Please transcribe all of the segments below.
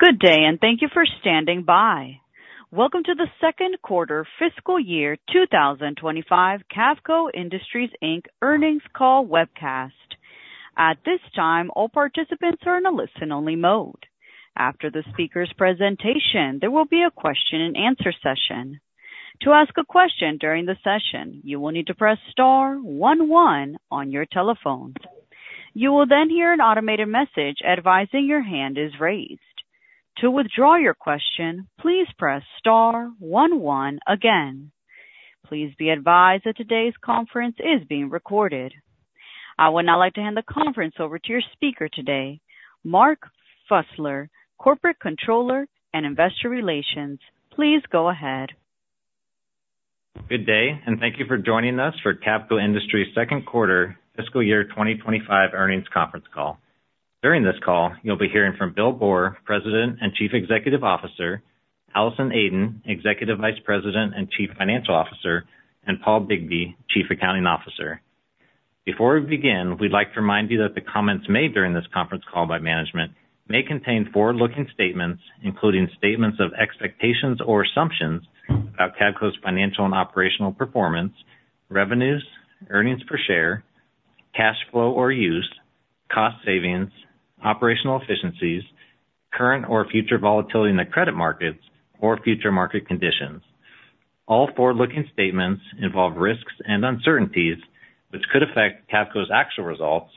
Good day, and thank you for standing by. Welcome to the second quarter fiscal year 2025 Cavco Industries Inc. Earnings Call webcast. At this time, all participants are in a listen-only mode. After the speaker's presentation, there will be a question-and-answer session. To ask a question during the session, you will need to press star 11 on your telephone. You will then hear an automated message advising your hand is raised. To withdraw your question, please press star 11 again. Please be advised that today's conference is being recorded. I would now like to hand the conference over to your speaker today, Mark Fusler, Corporate Controller and Investor Relations. Please go ahead. Good day, and thank you for joining us for Cavco Industries' second quarter fiscal year 2025 earnings conference call. During this call, you'll be hearing from Bill Boor, President and Chief Executive Officer, Allison Aden, Executive Vice President and Chief Financial Officer, and Paul Bigbee, Chief Accounting Officer. Before we begin, we'd like to remind you that the comments made during this conference call by management may contain forward-looking statements, including statements of expectations or assumptions about Cavco's financial and operational performance, revenues, earnings per share, cash flow or use, cost savings, operational efficiencies, current or future volatility in the credit markets, or future market conditions. All forward-looking statements involve risks and uncertainties which could affect Cavco's actual results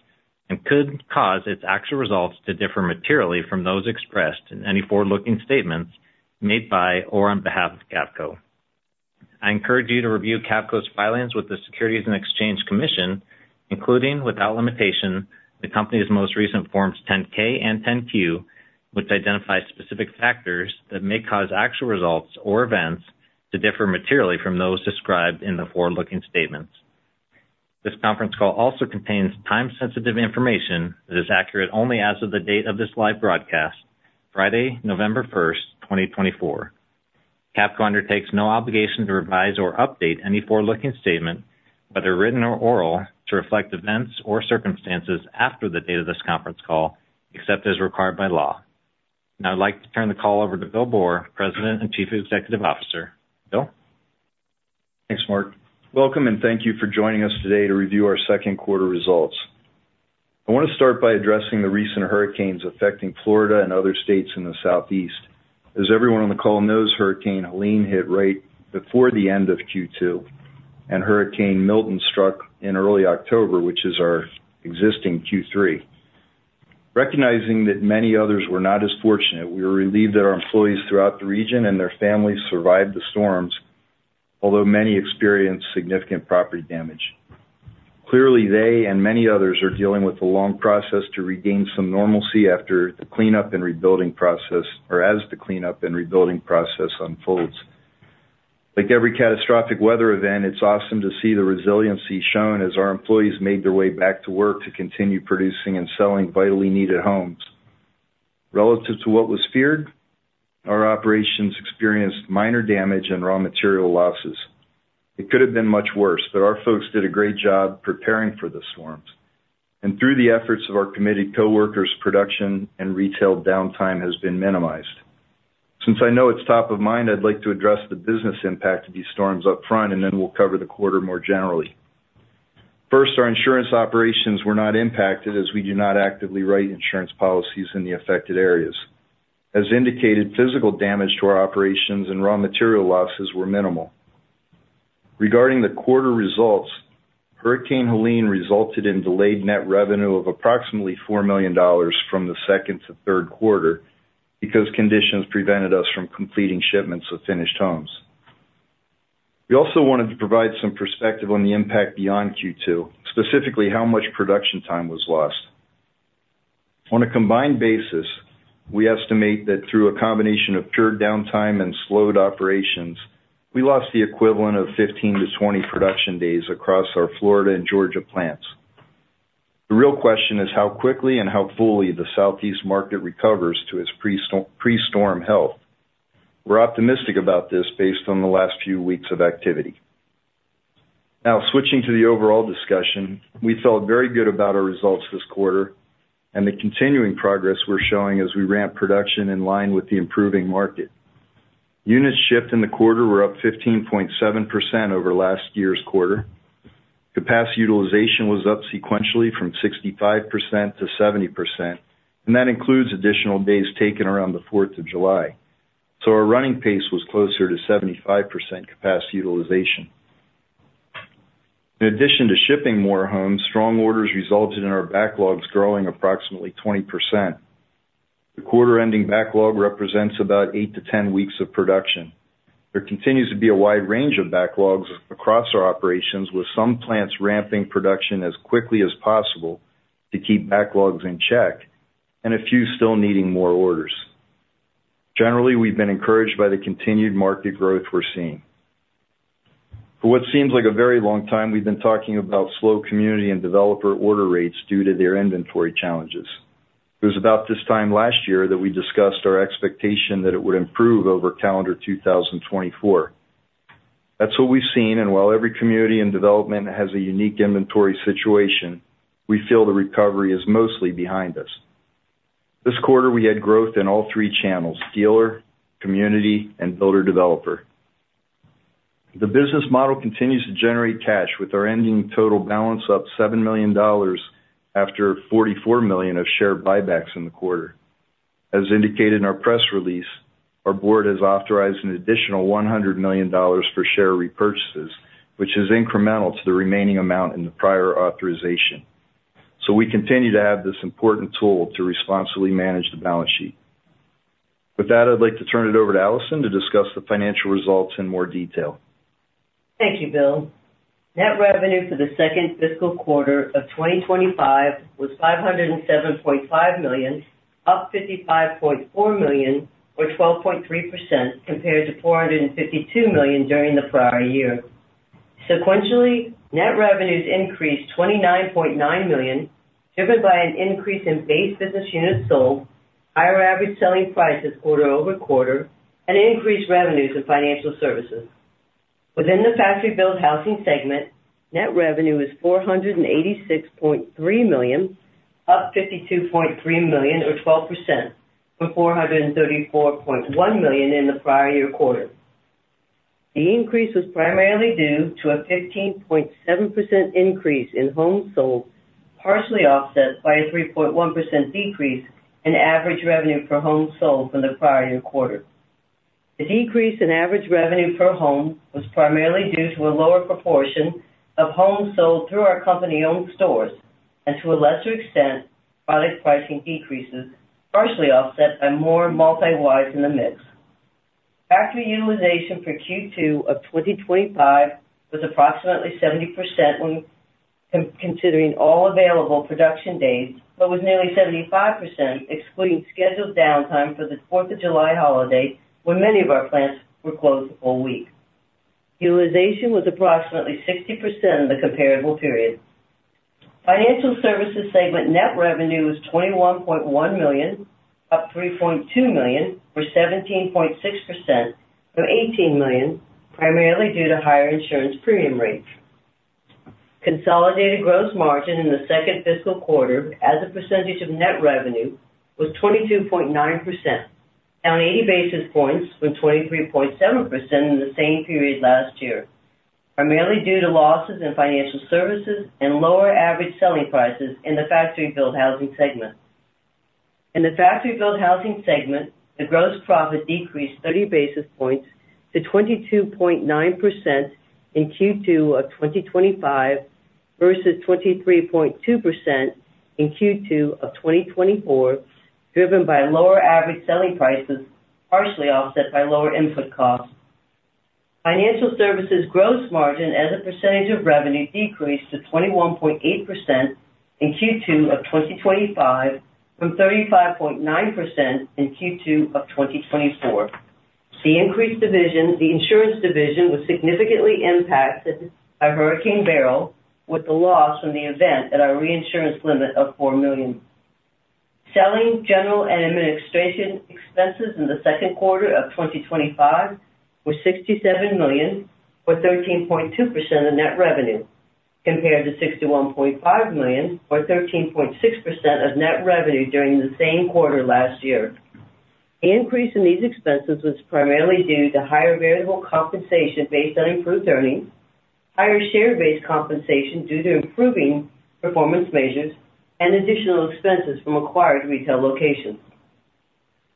and could cause its actual results to differ materially from those expressed in any forward-looking statements made by or on behalf of Cavco. I encourage you to review Cavco's filings with the Securities and Exchange Commission, including without limitation, the company's most recent Forms 10-K and 10-Q, which identify specific factors that may cause actual results or events to differ materially from those described in the forward-looking statements. This conference call also contains time-sensitive information that is accurate only as of the date of this live broadcast, Friday, November 1st, 2024. Cavco undertakes no obligation to revise or update any forward-looking statement, whether written or oral, to reflect events or circumstances after the date of this conference call, except as required by law. Now, I'd like to turn the call over to Bill Boor, President and Chief Executive Officer. Bill? Thanks, Mark. Welcome, and thank you for joining us today to review our second quarter results. I want to start by addressing the recent hurricanes affecting Florida and other states in the Southeast. As everyone on the call knows, Hurricane Helene hit right before the end of Q2, and Hurricane Milton struck in early October, which is our existing Q3. Recognizing that many others were not as fortunate, we were relieved that our employees throughout the region and their families survived the storms, although many experienced significant property damage. Clearly, they and many others are dealing with a long process to regain some normalcy after the cleanup and rebuilding process, or as the cleanup and rebuilding process unfolds. Like every catastrophic weather event, it's awesome to see the resiliency shown as our employees made their way back to work to continue producing and selling vitally needed homes. Relative to what was feared, our operations experienced minor damage and raw material losses. It could have been much worse, but our folks did a great job preparing for the storms. And through the efforts of our committed coworkers, production and retail downtime has been minimized. Since I know it's top of mind, I'd like to address the business impact of these storms upfront, and then we'll cover the quarter more generally. First, our insurance operations were not impacted as we do not actively write insurance policies in the affected areas. As indicated, physical damage to our operations and raw material losses were minimal. Regarding the quarter results, Hurricane Helene resulted in delayed net revenue of approximately $4 million from the second to third quarter because conditions prevented us from completing shipments of finished homes. We also wanted to provide some perspective on the impact beyond Q2, specifically how much production time was lost. On a combined basis, we estimate that through a combination of pure downtime and slowed operations, we lost the equivalent of 15-20 production days across our Florida and Georgia plants. The real question is how quickly and how fully the Southeast market recovers to its pre-storm health. We're optimistic about this based on the last few weeks of activity. Now, switching to the overall discussion, we felt very good about our results this quarter and the continuing progress we're showing as we ramp production in line with the improving market. Unit shipments in the quarter were up 15.7% over last year's quarter. Capacity utilization was up sequentially from 65%-70%, and that includes additional days taken around the 4th of July. So our running pace was closer to 75% capacity utilization. In addition to shipping more homes, strong orders resulted in our backlogs growing approximately 20%. The quarter-ending backlog represents about 8-10 weeks of production. There continues to be a wide range of backlogs across our operations, with some plants ramping production as quickly as possible to keep backlogs in check and a few still needing more orders. Generally, we've been encouraged by the continued market growth we're seeing. For what seems like a very long time, we've been talking about slow community and developer order rates due to their inventory challenges. It was about this time last year that we discussed our expectation that it would improve over calendar 2024. That's what we've seen, and while every community and development has a unique inventory situation, we feel the recovery is mostly behind us. This quarter, we had growth in all three channels: dealer, community, and builder-developer. The business model continues to generate cash, with our ending total balance up $7 million after $44 million of share buybacks in the quarter. As indicated in our press release, our board has authorized an additional $100 million for share repurchases, which is incremental to the remaining amount in the prior authorization. So we continue to have this important tool to responsibly manage the balance sheet. With that, I'd like to turn it over to Allison to discuss the financial results in more detail. Thank you, Bill. Net revenue for the second fiscal quarter of 2025 was $507.5 million, up $55.4 million, or 12.3%, compared to $452 million during the prior year. Sequentially, net revenues increased $29.9 million, driven by an increase in base business units sold, higher average selling prices quarter over quarter, and increased revenues in financial services. Within the factory-built housing segment, net revenue is $486.3 million, up $52.3 million, or 12%, from $434.1 million in the prior year quarter. The increase was primarily due to a 15.7% increase in homes sold, partially offset by a 3.1% decrease in average revenue per home sold from the prior year quarter. The decrease in average revenue per home was primarily due to a lower proportion of homes sold through our company-owned stores and, to a lesser extent, product pricing decreases, partially offset by more multi-wides in the mix. Factory utilization for Q2 of 2025 was approximately 70% when considering all available production days, but was nearly 75% excluding scheduled downtime for the 4th of July holiday, when many of our plants were closed the full week. Utilization was approximately 60% in the comparable period. Financial services segment net revenue was $21.1 million, up $3.2 million, or 17.6%, from $18 million, primarily due to higher insurance premium rates. Consolidated gross margin in the second fiscal quarter, as a percentage of net revenue, was 22.9%, down 80 basis points from 23.7% in the same period last year, primarily due to losses in financial services and lower average selling prices in the factory-built housing segment. In the factory-built housing segment, the gross profit decreased 30 basis points to 22.9% in Q2 of 2025 versus 23.2% in Q2 of 2024, driven by lower average selling prices, partially offset by lower input costs. Financial services gross margin, as a percentage of revenue, decreased to 21.8% in Q2 of 2025, from 35.9% in Q2 of 2024. The insurance division was significantly impacted by Hurricane Beryl, with the loss from the event at our reinsurance limit of $4 million. Selling, general, and administration expenses in the second quarter of 2025 were $67 million, or 13.2% of net revenue, compared to $61.5 million, or 13.6% of net revenue during the same quarter last year. The increase in these expenses was primarily due to higher variable compensation based on improved earnings, higher share-based compensation due to improving performance measures, and additional expenses from acquired retail locations.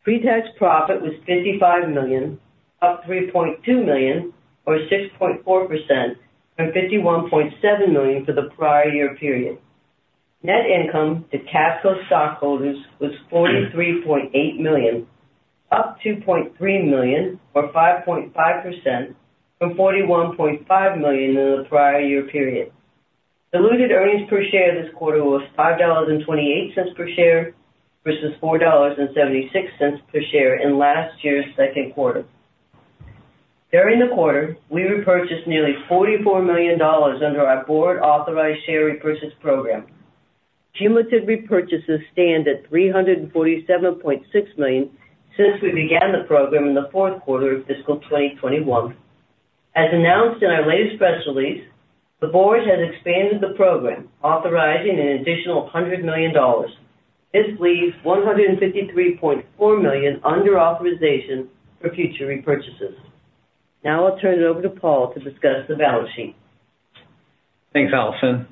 Pretax profit was $55 million, up $3.2 million, or 6.4%, from $51.7 million for the prior year period. Net income to Cavco stockholders was $43.8 million, up $2.3 million, or 5.5%, from $41.5 million in the prior year period. Diluted earnings per share this quarter was $5.28 per share versus $4.76 per share in last year's second quarter. During the quarter, we repurchased nearly $44 million under our board-authorized share repurchase program. Cumulative repurchases stand at $347.6 million since we began the program in the fourth quarter of fiscal 2021. As announced in our latest press release, the board has expanded the program, authorizing an additional $100 million. This leaves $153.4 million under authorization for future repurchases. Now I'll turn it over to Paul to discuss the balance sheet. Thanks, Allison.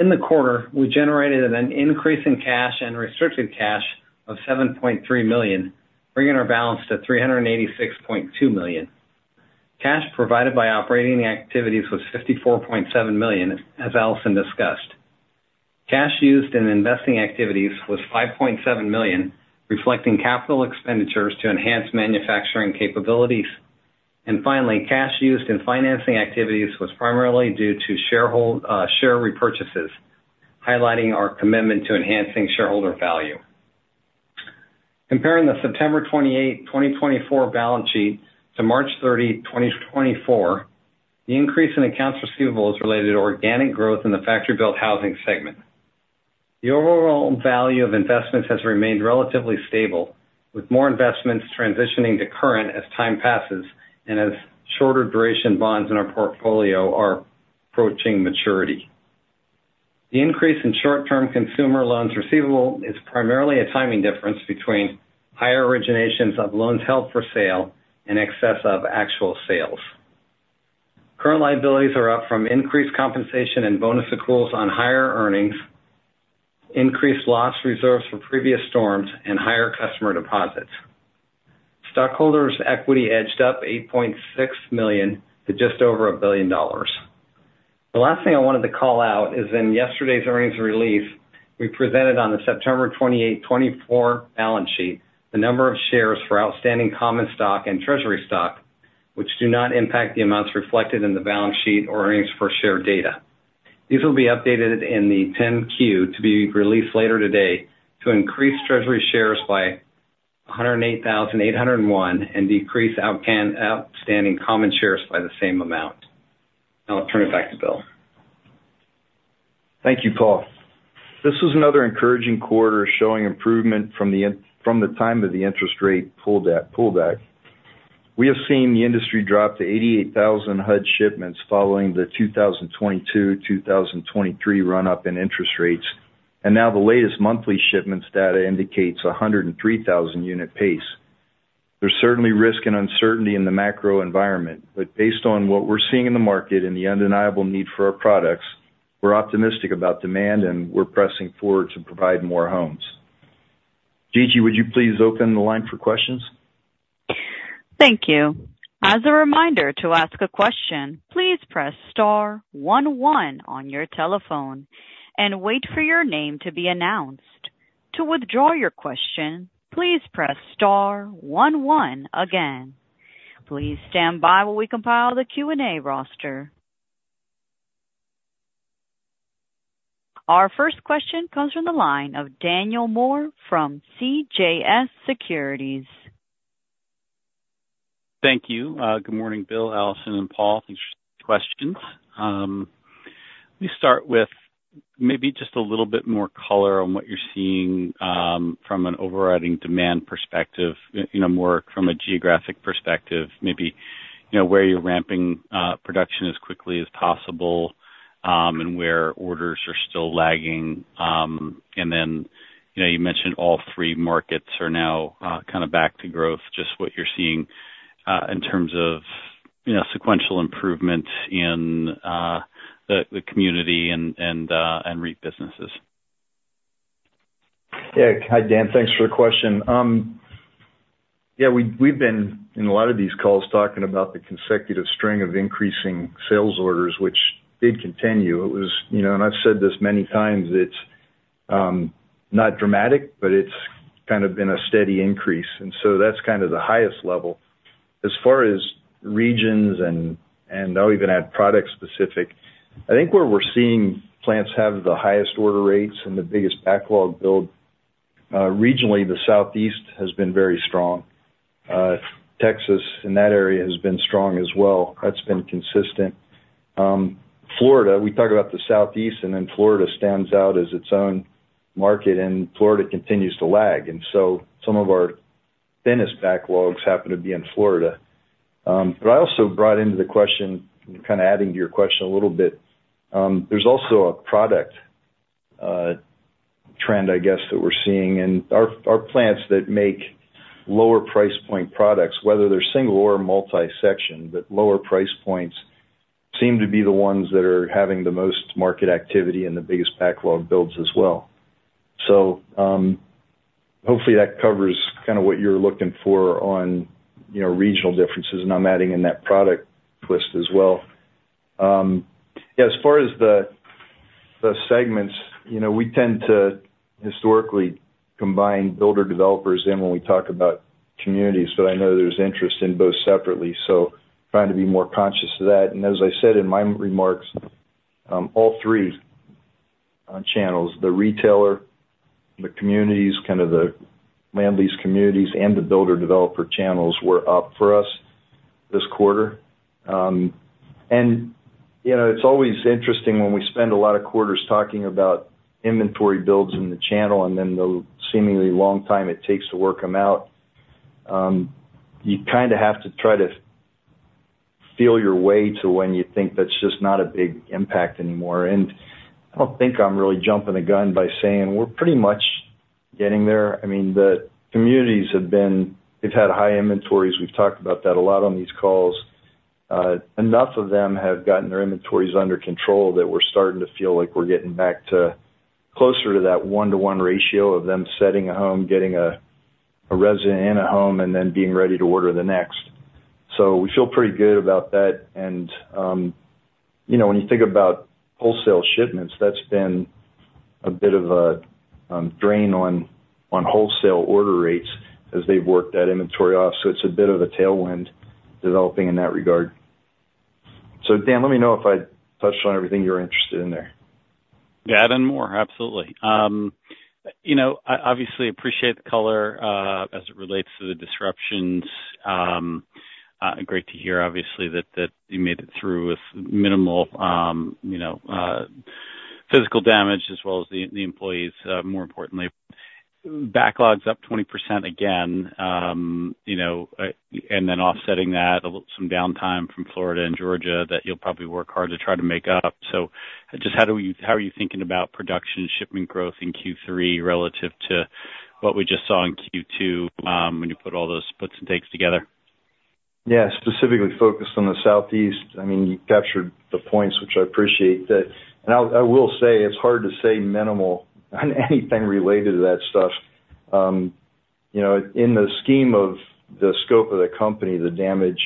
In the quarter, we generated an increase in cash and restricted cash of $7.3 million, bringing our balance to $386.2 million. Cash provided by operating activities was $54.7 million, as Allison discussed. Cash used in investing activities was $5.7 million, reflecting capital expenditures to enhance manufacturing capabilities. And finally, cash used in financing activities was primarily due to share repurchases, highlighting our commitment to enhancing shareholder value. Comparing the September 28, 2024, balance sheet to March 30, 2024, the increase in accounts receivable is related to organic growth in the factory-built housing segment. The overall value of investments has remained relatively stable, with more investments transitioning to current as time passes and as shorter-duration bonds in our portfolio are approaching maturity. The increase in short-term consumer loans receivable is primarily a timing difference between higher originations of loans held for sale in excess of actual sales. Current liabilities are up from increased compensation and bonus accruals on higher earnings, increased loss reserves from previous storms, and higher customer deposits. Stockholders' equity edged up $8.6 million to just over $1 billion. The last thing I wanted to call out is, in yesterday's earnings release, we presented on the September 28, 2024, balance sheet the number of shares for outstanding common stock and treasury stock, which do not impact the amounts reflected in the balance sheet or earnings per share data. These will be updated in the 10-Q to be released later today to increase treasury shares by 108,801 and decrease outstanding common shares by the same amount. Now I'll turn it back to Bill. Thank you, Paul. This was another encouraging quarter, showing improvement from the time of the interest rate pullback. We have seen the industry drop to 88,000 HUD shipments following the 2022-2023 run-up in interest rates, and now the latest monthly shipments data indicates a 103,000-unit pace. There's certainly risk and uncertainty in the macro environment, but based on what we're seeing in the market and the undeniable need for our products, we're optimistic about demand, and we're pressing forward to provide more homes. Gigi, would you please open the line for questions? Thank you. As a reminder to ask a question, please press star 11 on your telephone and wait for your name to be announced. To withdraw your question, please press star 11 again. Please stand by while we compile the Q&A roster. Our first question comes from the line of Daniel Moore from CJS Securities. Thank you. Good morning, Bill, Allison, and Paul. Thanks for the questions. Let me start with maybe just a little bit more color on what you're seeing from an overriding demand perspective, more from a geographic perspective, maybe where you're ramping production as quickly as possible and where orders are still lagging, and then you mentioned all three markets are now kind of back to growth, just what you're seeing in terms of sequential improvement in the community and retail businesses. Yeah. Hi, Dan. Thanks for the question. Yeah, we've been in a lot of these calls talking about the consecutive string of increasing sales orders, which did continue, and I've said this many times, it's not dramatic, but it's kind of been a steady increase, and so that's kind of the highest level. As far as regions, and I'll even add product-specific, I think where we're seeing plants have the highest order rates and the biggest backlog build regionally, the Southeast has been very strong. Texas in that area has been strong as well. That's been consistent. Florida, we talk about the Southeast, and then Florida stands out as its own market, and Florida continues to lag, and so some of our thinnest backlogs happen to be in Florida. But I also brought into the question, kind of adding to your question a little bit. There's also a product trend, I guess, that we're seeing. And our plants that make lower price point products, whether they're single or multi-section, but lower price points seem to be the ones that are having the most market activity and the biggest backlog builds as well. So hopefully that covers kind of what you're looking for on regional differences, and I'm adding in that product twist as well. Yeah, as far as the segments, we tend to historically combine builder-developers in when we talk about communities, but I know there's interest in both separately. So trying to be more conscious of that. And as I said in my remarks, all three channels, the retailer, the communities, kind of the land-lease communities, and the builder-developer channels were up for us this quarter. It's always interesting when we spend a lot of quarters talking about inventory builds in the channel and then the seemingly long time it takes to work them out. You kind of have to try to feel your way to when you think that's just not a big impact anymore. I don't think I'm really jumping the gun by saying we're pretty much getting there. I mean, the communities have been. They've had high inventories. We've talked about that a lot on these calls. Enough of them have gotten their inventories under control that we're starting to feel like we're getting back to closer to that one-to-one ratio of them setting a home, getting a resident in a home, and then being ready to order the next. So we feel pretty good about that. And when you think about wholesale shipments, that's been a bit of a drain on wholesale order rates as they've worked that inventory off. So it's a bit of a tailwind developing in that regard. So Dan, let me know if I touched on everything you're interested in there. Yeah, Dan Moore, absolutely. Obviously, appreciate the color as it relates to the disruptions. Great to hear, obviously, that you made it through with minimal physical damage as well as the employees, more importantly. Backlog's up 20% again, and then offsetting that, some downtime from Florida and Georgia that you'll probably work hard to try to make up. So just how are you thinking about production shipment growth in Q3 relative to what we just saw in Q2 when you put all those puts and takes together? Yeah, specifically focused on the Southeast. I mean, you captured the points, which I appreciate. And I will say it's hard to say minimal on anything related to that stuff. In the scheme of the scope of the company, the damage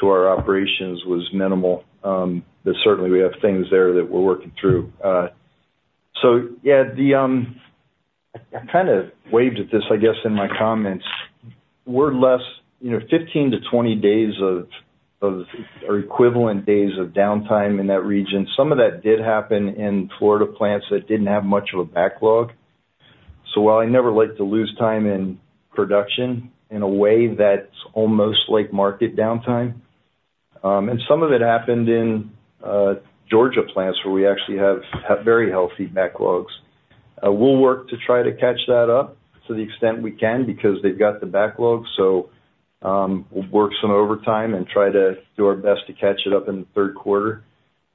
to our operations was minimal. But certainly, we have things there that we're working through. So yeah, I kind of waved at this, I guess, in my comments. We lost 15-20 days or equivalent days of downtime in that region. Some of that did happen in Florida plants that didn't have much of a backlog. So while I never like to lose time in production in a way that's almost like market downtime, and some of it happened in Georgia plants where we actually have very healthy backlogs. We'll work to try to catch that up to the extent we can because they've got the backlog. So we'll work some overtime and try to do our best to catch it up in the third quarter.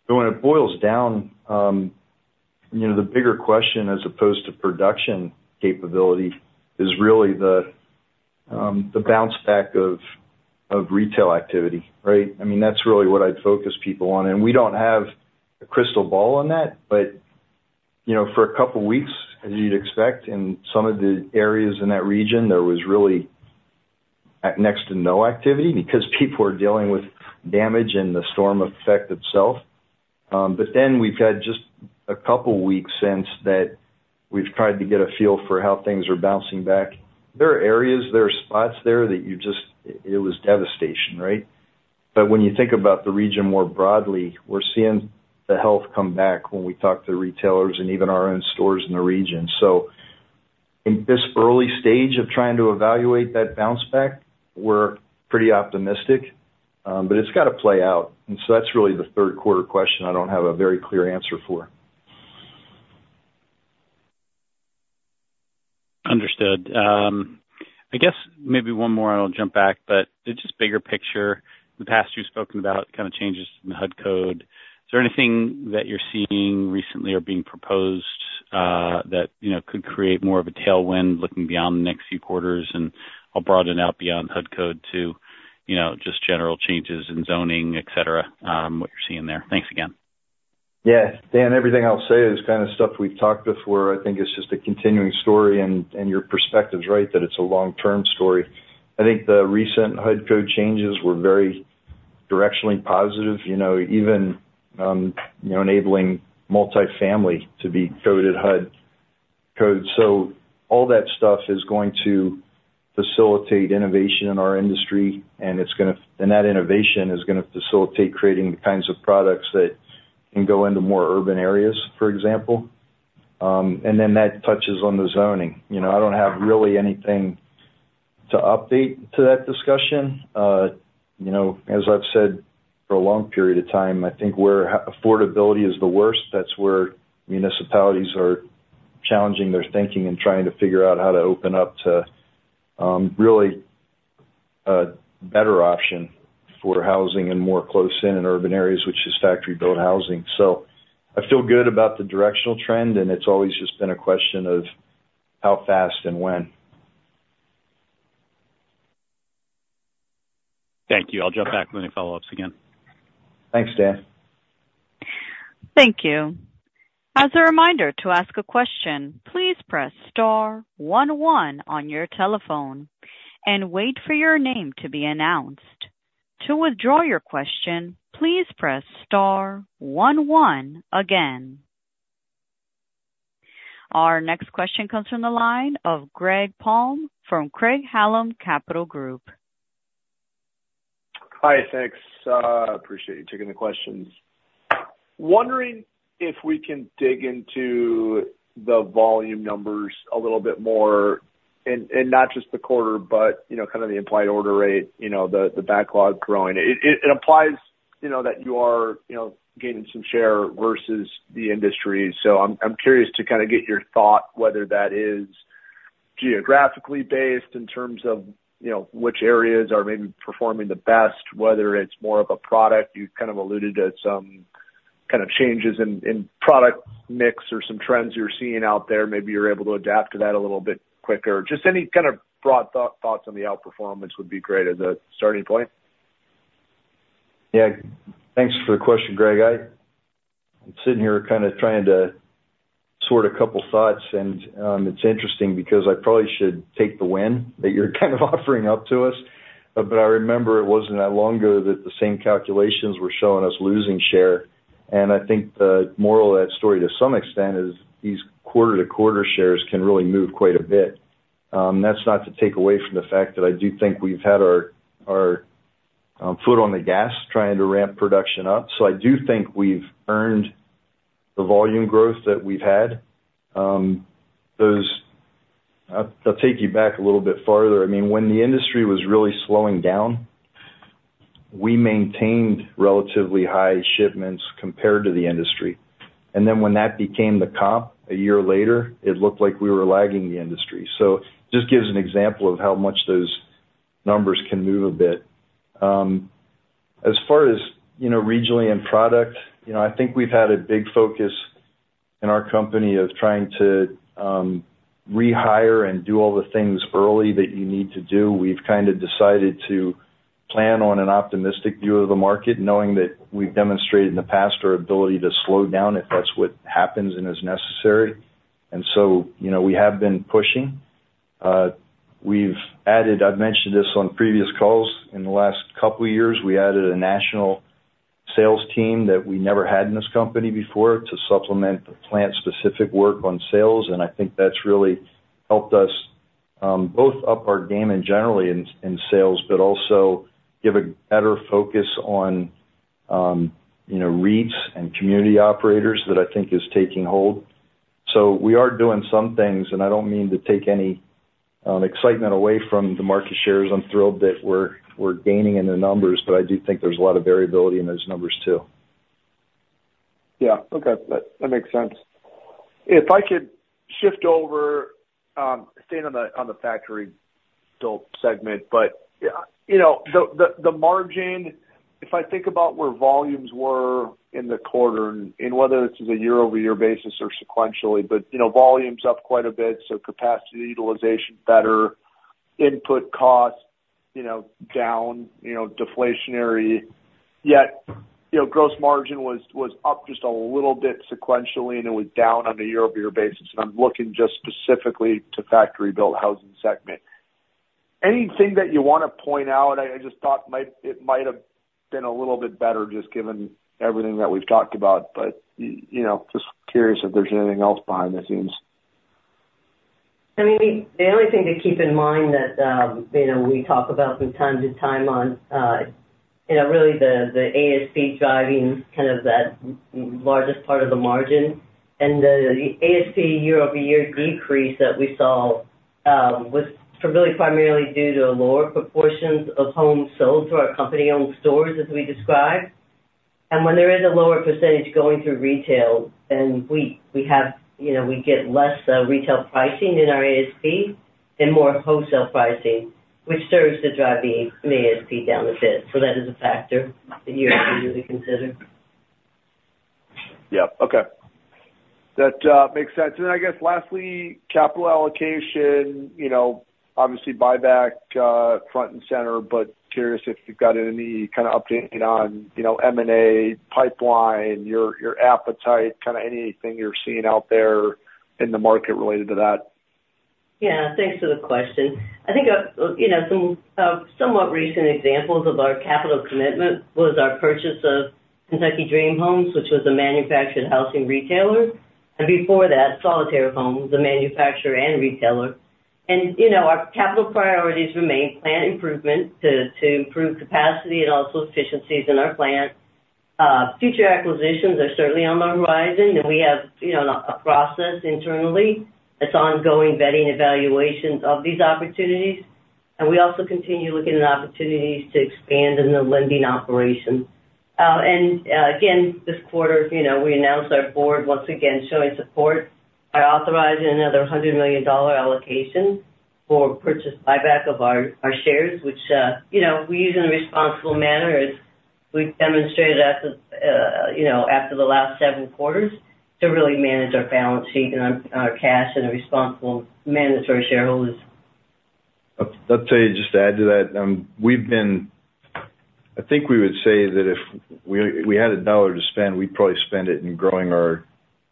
But when it boils down, the bigger question as opposed to production capability is really the bounce back of retail activity, right? I mean, that's really what I'd focus people on. And we don't have a crystal ball on that, but for a couple of weeks, as you'd expect, in some of the areas in that region, there was really next to no activity because people were dealing with damage and the storm effect itself. But then we've had just a couple of weeks since that we've tried to get a feel for how things are bouncing back. There are areas, there are spots there that you just it was devastation, right? But when you think about the region more broadly, we're seeing the health come back when we talk to retailers and even our own stores in the region. So in this early stage of trying to evaluate that bounce back, we're pretty optimistic, but it's got to play out. And so that's really the third quarter question I don't have a very clear answer for. Understood. I guess maybe one more, and I'll jump back, but just bigger picture. In the past you've spoken about kind of changes in the HUD Code. Is there anything that you're seeing recently or being proposed that could create more of a tailwind looking beyond the next few quarters? And I'll broaden it out beyond HUD Code to just general changes in zoning, etc., what you're seeing there. Thanks again. Yes. Dan, everything I'll say is kind of stuff we've talked before. I think it's just a continuing story and your perspectives, right, that it's a long-term story. I think the recent HUD Code changes were very directionally positive, even enabling multifamily to be coded HUD Code. So all that stuff is going to facilitate innovation in our industry, and that innovation is going to facilitate creating the kinds of products that can go into more urban areas, for example, and then that touches on the zoning. I don't have really anything to update to that discussion. As I've said for a long period of time, I think where affordability is the worst, that's where municipalities are challenging their thinking and trying to figure out how to open up to really a better option for housing and more close-in in urban areas, which is factory-built housing. So I feel good about the directional trend, and it's always just been a question of how fast and when. Thank you. I'll jump back with any follow-ups again. Thanks, Dan. Thank you. As a reminder to ask a question, please press star 11 on your telephone and wait for your name to be announced. To withdraw your question, please press star 11 again. Our next question comes from the line of Greg Palm from Craig-Hallum Capital Group. Hi, thanks. Appreciate you taking the questions. Wondering if we can dig into the volume numbers a little bit more and not just the quarter, but kind of the implied order rate, the backlog growing. It implies that you are gaining some share versus the industry. So I'm curious to kind of get your thought whether that is geographically based in terms of which areas are maybe performing the best, whether it's more of a product. You kind of alluded to some kind of changes in product mix or some trends you're seeing out there. Maybe you're able to adapt to that a little bit quicker. Just any kind of broad thoughts on the outperformance would be great as a starting point. Yeah. Thanks for the question, Greg. I'm sitting here kind of trying to sort a couple of thoughts, and it's interesting because I probably should take the win that you're kind of offering up to us. But I remember it wasn't that long ago that the same calculations were showing us losing share. And I think the moral of that story to some extent is these quarter-to-quarter shares can really move quite a bit. That's not to take away from the fact that I do think we've had our foot on the gas trying to ramp production up. So I do think we've earned the volume growth that we've had. I'll take you back a little bit farther. I mean, when the industry was really slowing down, we maintained relatively high shipments compared to the industry. And then when that became the comp a year later, it looked like we were lagging the industry. So it just gives an example of how much those numbers can move a bit. As far as regionally and product, I think we've had a big focus in our company of trying to rehire and do all the things early that you need to do. We've kind of decided to plan on an optimistic view of the market, knowing that we've demonstrated in the past our ability to slow down if that's what happens and is necessary. And so we have been pushing. I've mentioned this on previous calls. In the last couple of years, we added a national sales team that we never had in this company before to supplement the plant-specific work on sales. And I think that's really helped us both up our game and generally in sales, but also give a better focus on rates and community operators that I think is taking hold. So we are doing some things, and I don't mean to take any excitement away from the market shares. I'm thrilled that we're gaining in the numbers, but I do think there's a lot of variability in those numbers too. Yeah. Okay. That makes sense. If I could shift over, staying on the factory-built segment, but the margin, if I think about where volumes were in the quarter, and whether it's a year-over-year basis or sequentially, but volumes up quite a bit, so capacity utilization better, input costs down, deflationary, yet gross margin was up just a little bit sequentially, and it was down on a year-over-year basis, and I'm looking just specifically to factory-built housing segment. Anything that you want to point out? I just thought it might have been a little bit better just given everything that we've talked about, but just curious if there's anything else behind the scenes. I mean, the only thing to keep in mind that we talk about from time to time on really the ASP driving kind of that largest part of the margin, and the ASP year-over-year decrease that we saw was really primarily due to lower proportions of homes sold through our company-owned stores, as we described, and when there is a lower percentage going through retail, then we get less retail pricing in our ASP and more wholesale pricing, which serves to drive the ASP down a bit, so that is a factor that you have to really consider. Yeah. Okay. That makes sense, and I guess lastly, capital allocation, obviously buyback front and center, but curious if you've got any kind of update on M&A, pipeline, your appetite, kind of anything you're seeing out there in the market related to that? Yeah. Thanks for the question. I think some somewhat recent examples of our capital commitment was our purchase of Kentucky Dream Homes, which was a manufactured housing retailer. And before that, Solitaire Homes, a manufacturer and retailer. And our capital priorities remain plant improvement to improve capacity and also efficiencies in our plant. Future acquisitions are certainly on the horizon, and we have a process internally that's ongoing vetting evaluations of these opportunities. And we also continue looking at opportunities to expand in the lending operation. And again, this quarter, we announced our board once again showing support by authorizing another $100 million allocation for purchase buyback of our shares, which we use in a responsible manner as we demonstrated after the last several quarters to really manage our balance sheet and our cash responsibly to our shareholders. I'd say just to add to that, I think we would say that if we had a dollar to spend, we'd probably spend it in growing our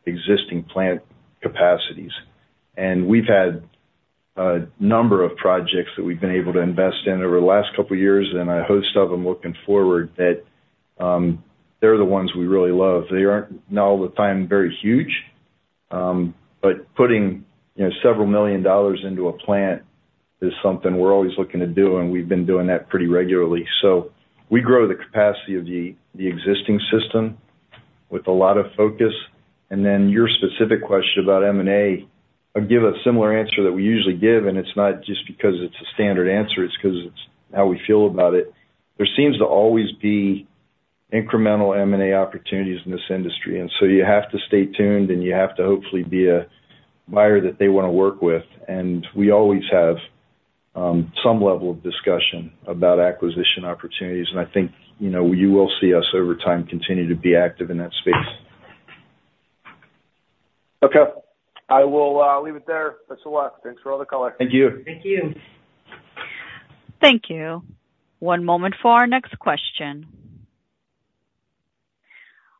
existing plant capacities. And we've had a number of projects that we've been able to invest in over the last couple of years, and a host of them looking forward that they're the ones we really love. They aren't all the time very huge, but putting several million dollars into a plant is something we're always looking to do, and we've been doing that pretty regularly. So we grow the capacity of the existing system with a lot of focus. And then your specific question about M&A, I'll give a similar answer that we usually give, and it's not just because it's a standard answer. It's because it's how we feel about it. There seems to always be incremental M&A opportunities in this industry. And so you have to stay tuned, and you have to hopefully be a buyer that they want to work with. And we always have some level of discussion about acquisition opportunities. And I think you will see us over time continue to be active in that space. Okay. I will leave it there. Thanks a lot. Thanks for all the callers. Thank you. Thank you. Thank you. One moment for our next question.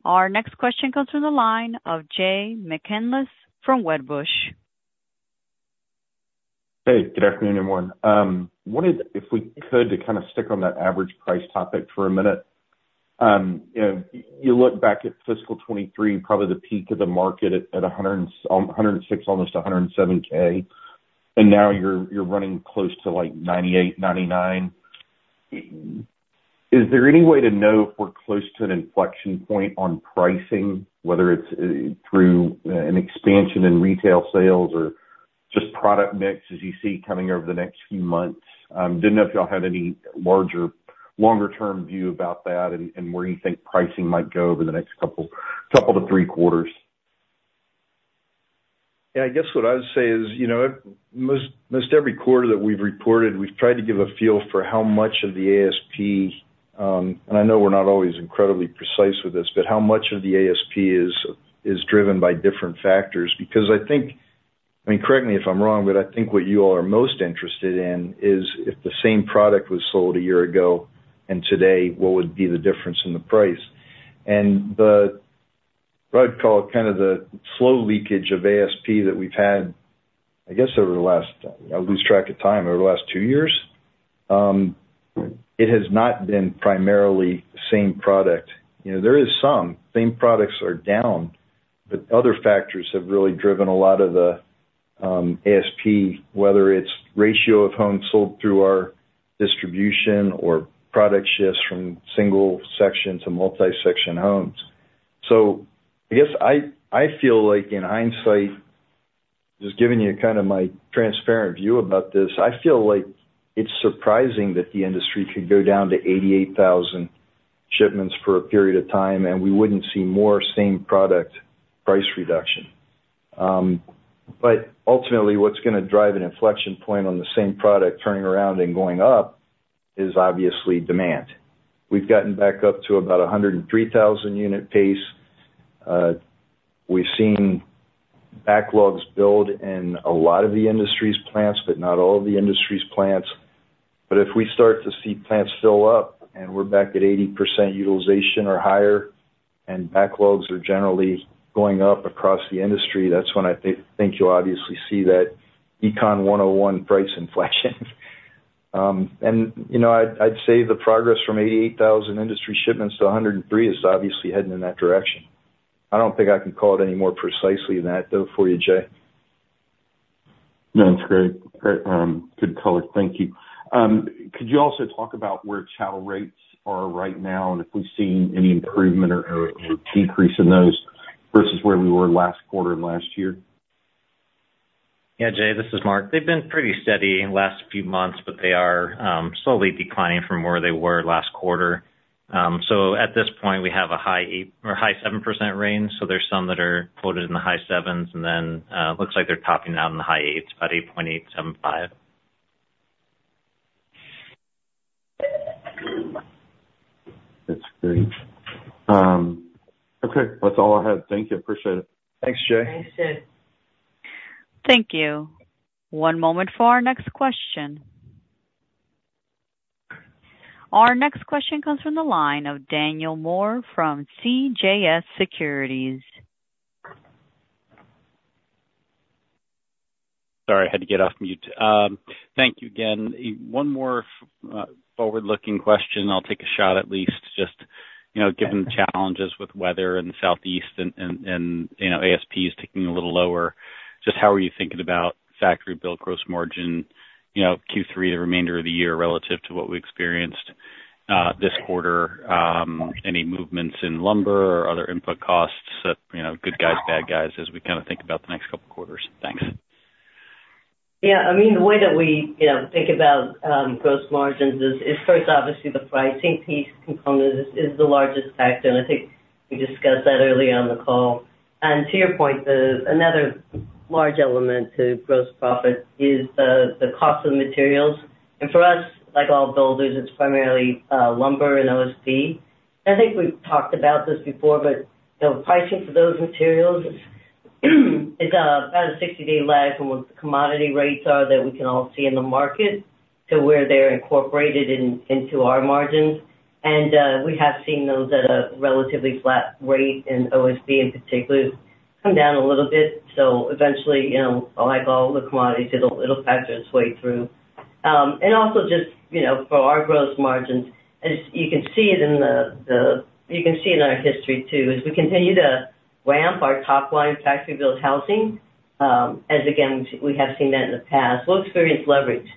Our next question comes from the line of Jay McCanless from Wedbush. Hey, good afternoon, everyone. If we could kind of stick on that average price topic for a minute. You look back at fiscal 2023, probably the peak of the market at $106,000, almost $107,000, and now you're running close to like $98,000-$99,000. Is there any way to know if we're close to an inflection point on pricing, whether it's through an expansion in retail sales or just product mix as you see coming over the next few months? Didn't know if y'all had any larger longer-term view about that and where you think pricing might go over the next couple to three quarters. Yeah. I guess what I would say is most every quarter that we've reported, we've tried to give a feel for how much of the ASP, and I know we're not always incredibly precise with this, but how much of the ASP is driven by different factors. Because I think, I mean, correct me if I'm wrong, but I think what you all are most interested in is if the same product was sold a year ago and today, what would be the difference in the price. And what I'd call kind of the flow leakage of ASP that we've had, I guess over the last, I'll lose track of time, over the last two years, it has not been primarily the same product. There is some. Same products are down, but other factors have really driven a lot of the ASP, whether it's ratio of homes sold through our distribution or product shifts from single-section to multi-section homes. So I guess I feel like in hindsight, just giving you kind of my transparent view about this, I feel like it's surprising that the industry could go down to 88,000 shipments for a period of time, and we wouldn't see more same product price reduction. But ultimately, what's going to drive an inflection point on the same product turning around and going up is obviously demand. We've gotten back up to about 103,000 unit pace. We've seen backlogs build in a lot of the industry's plants, but not all of the industry's plants. But if we start to see plants fill up and we're back at 80% utilization or higher and backlogs are generally going up across the industry, that's when I think you'll obviously see that Econ 101 price inflection. And I'd say the progress from 88,000 industry shipments to 103 is obviously heading in that direction. I don't think I can call it any more precisely than that, though, for you, Jay. No, that's great. Good color. Thank you. Could you also talk about where channel rates are right now and if we've seen any improvement or decrease in those versus where we were last quarter and last year? Yeah, Jay, this is Mark. They've been pretty steady in the last few months, but they are slowly declining from where they were last quarter. So at this point, we have a high 7% range. So there's some that are quoted in the high 7s, and then it looks like they're topping out in the high 8s, about 8.875. That's great. Okay. That's all I had. Thank you. Appreciate it. Thanks, Jay. Thanks, Jay. Thank you. One moment for our next question. Our next question comes from the line of Daniel Moore from CJS Securities. Sorry, I had to get off mute. Thank you again. One more forward-looking question. I'll take a shot at least, just given the challenges with weather in the Southeast and ASPs ticking a little lower. Just how are you thinking about factory-built gross margin Q3, the remainder of the year relative to what we experienced this quarter? Any movements in lumber or other input costs? Good guys, bad guys as we kind of think about the next couple of quarters. Thanks. Yeah. I mean, the way that we think about gross margins is first, obviously, the pricing piece component is the largest factor. And I think we discussed that early on the call. And to your point, another large element to gross profit is the cost of the materials. And for us, like all builders, it's primarily lumber and OSB. And I think we've talked about this before, but pricing for those materials is about a 60-day lag from what the commodity rates are that we can all see in the market to where they're incorporated into our margins. And we have seen those at a relatively flat rate in OSB in particular, come down a little bit. So eventually, like all the commodities, it'll factor its way through. And also just for our gross margins, you can see it in our history too. As we continue to ramp our top-line factory-built housing, as again, we have seen that in the past, we'll experience leverage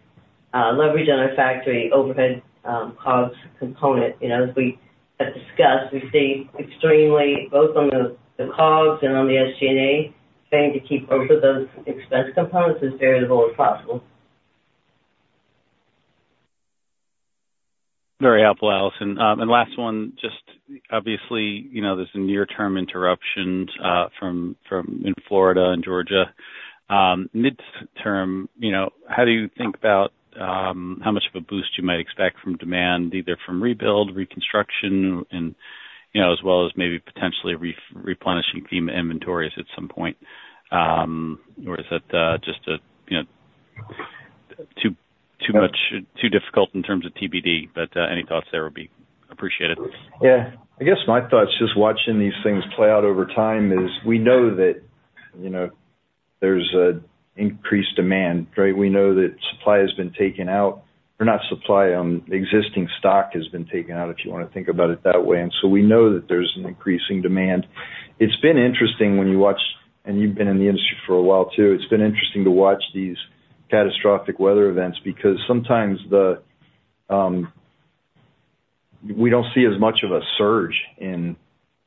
on our factory overhead cost component. As we have discussed, we see extremely, both on the COGS and on the SG&A, paying to keep both of those expense components as variable as possible. Very helpful, Allison, and last one, just obviously, there's a near-term interruption from Florida and Georgia. Midterm, how do you think about how much of a boost you might expect from demand, either from rebuild, reconstruction, as well as maybe potentially replenishing FEMA inventories at some point, or is that just too difficult in terms of TBD, but any thoughts there would be appreciated. Yeah. I guess my thoughts, just watching these things play out over time, is we know that there's an increased demand, right? We know that supply has been taken out. Or not supply, the existing stock has been taken out, if you want to think about it that way. And so we know that there's an increasing demand. It's been interesting when you watch, and you've been in the industry for a while too. It's been interesting to watch these catastrophic weather events because sometimes we don't see as much of a surge in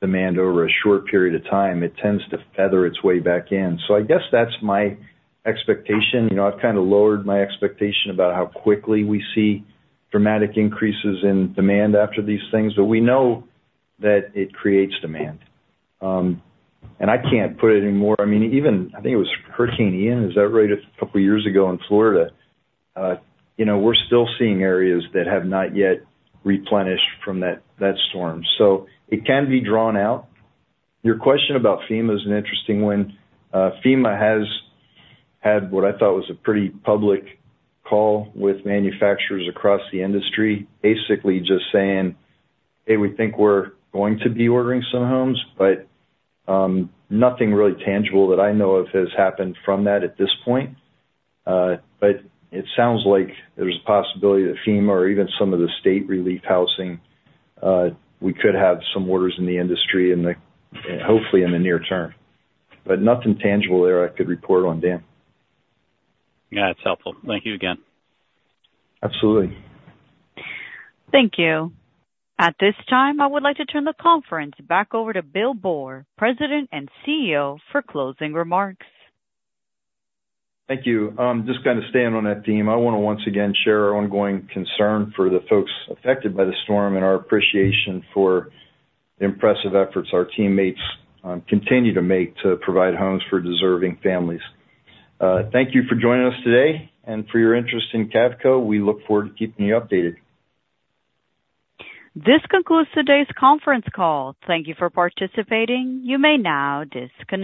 demand over a short period of time. It tends to feather its way back in. So I guess that's my expectation. I've kind of lowered my expectation about how quickly we see dramatic increases in demand after these things, but we know that it creates demand. And I can't put it anymore. I mean, even I think it was Hurricane Ian, is that right? A couple of years ago in Florida, we're still seeing areas that have not yet replenished from that storm. So it can be drawn out. Your question about FEMA is an interesting one. FEMA has had what I thought was a pretty public call with manufacturers across the industry, basically just saying, "Hey, we think we're going to be ordering some homes," but nothing really tangible that I know of has happened from that at this point. But it sounds like there's a possibility that FEMA or even some of the state relief housing, we could have some orders in the industry, hopefully in the near term. But nothing tangible there I could report on, Dan. Yeah, that's helpful. Thank you again. Absolutely. Thank you. At this time, I would like to turn the conference back over to Bill Boor, President and CEO, for closing remarks. Thank you. Just kind of staying on that theme, I want to once again share our ongoing concern for the folks affected by the storm and our appreciation for the impressive efforts our teammates continue to make to provide homes for deserving families. Thank you for joining us today and for your interest in Cavco. We look forward to keeping you updated. This concludes today's conference call. Thank you for participating. You may now disconnect.